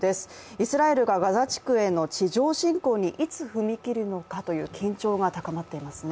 イスラエルがガザ地区への地上侵攻にいつ踏み切るのかという緊張が高まっていますね。